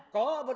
chính thanh tra